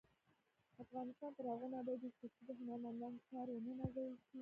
افغانستان تر هغو نه ابادیږي، ترڅو د هنرمندانو کار ونه نازول شي.